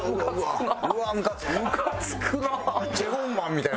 ムカつくな。